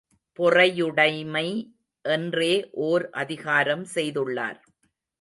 பொறையுடைமை என்றே ஓர் அதிகாரம் செய்துள்ளார்.